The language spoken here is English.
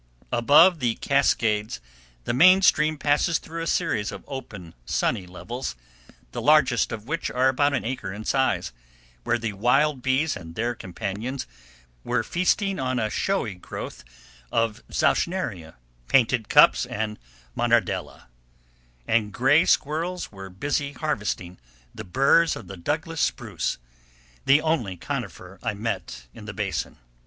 Above the cascades the main stream passes through a series of open, sunny levels, the largest of which are about an acre in size, where the wild bees and their companions were feasting on a showy growth of zauschneria, painted cups, and monardella; and gray squirrels were busy harvesting the burs of the Douglas Spruce, the only conifer I met in the basin.